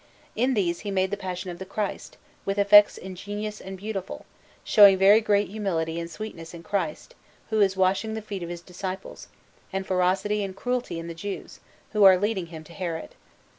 In these he made the Passion of Christ, with effects ingenious and beautiful, showing very great humility and sweetness in Christ, who is washing the feet of His Disciples, and ferocity and cruelty in the Jews, who are leading Him to Herod.